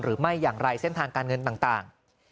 หรือไม่อย่างไรเส้นทางการเงินต่าง